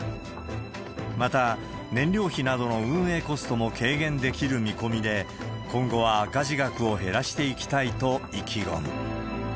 また、燃料費などの運営コストも軽減できる見込みで、今後は赤字額を減らしていきたいと意気込む。